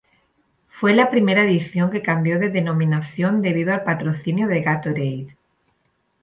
Fue la primera edición que cambió de denominación debido al patrocinio de Gatorade.